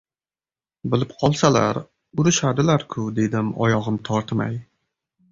— Bilib qolsalar urishadilar-ku, — dedim oyog‘im tortmay.